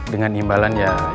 dengan imbalan ya yang lainnya